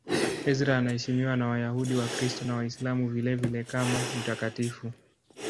Ezra anaheshimiwa na Wayahudi, Wakristo na Waislamu vilevile kama mtakatifu.